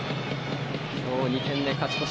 今日２点目勝ち越し